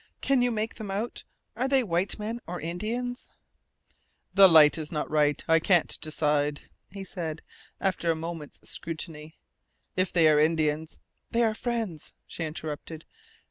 "Can you make them out? Are they white men or Indians?" "The light is not right I can't decide," he said, after a moment's scrutiny. "If they are Indians " "They are friends," she interrupted.